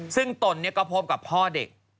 ซึ่งตนก็พบกับพ่อเด็ก